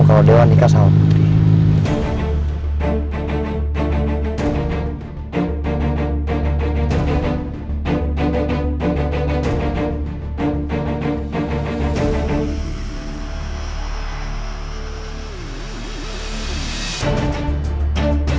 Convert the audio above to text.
kalau dewan nikah sama putri